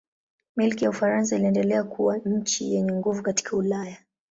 Milki ya Ufaransa iliendelea kuwa nchi yenye nguvu katika Ulaya.